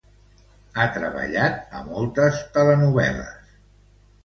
Ha treballat a moltes telenovel·les.